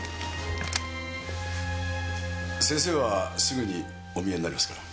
先生はすぐにお見えになりますから。